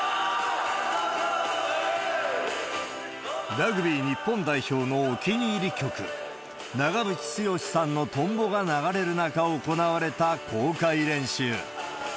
ラグビー日本代表のお気に入り曲、長渕剛さんのとんぼが流れる中行われた公開練習。